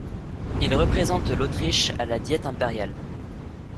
Il représente l'Autriche à la Diète Impériale.